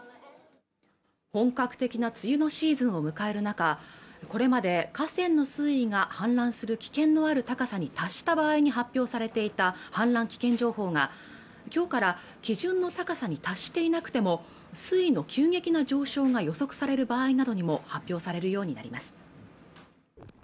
本格的な梅雨のシーズンを迎える中これまで河川の水位が氾濫する危険のある高さに達した場合に発表されていた氾濫危険情報が今日から基準の高さに達していなくても水位の急激な上昇が予測される場合などにも発表されるようになります